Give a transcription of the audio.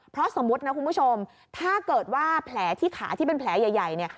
เพราะสมมุตินะคุณผู้ชมถ้าเกิดว่าแผลที่ขาที่เป็นแผลใหญ่เนี่ย